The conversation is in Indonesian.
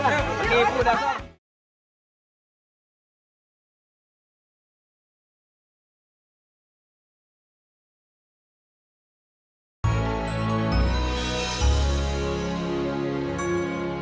oke ibu udah ustaz